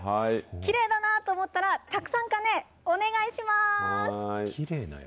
きれいだなと思ったら、たくさん鐘、お願いします。